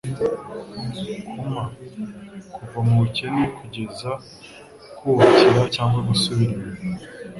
Kuma, kuva mubukene kugeza kubakire, cyangwa gusubira inyuma.